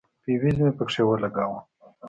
فيوز مې پکښې ولګاوه.